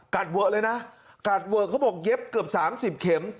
กัดเวิร์ดเลยนะกัดเวิร์ดเขาบอกเย็บเกือบ๓๐เข็ม